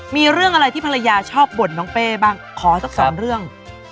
มีเรื่องอะไรที่ภรรยาชอบบ่นน้องเป้บ้างขอสักสองเรื่อง